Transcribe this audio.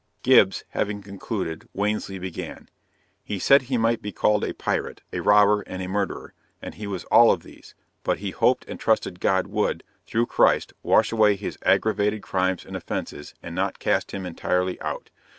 Gibbs having concluded, Wansley began. He said he might be called a pirate, a robber, and a murderer, and he was all of these, but he hoped and trusted God would, through Christ, wash away his aggravated crimes and offences, and not cast him entirely out.